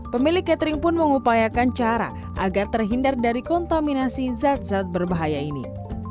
pemilik catering pun mengupayakan cara agar terhindar dari kontaminasi zat zat berbahaya ini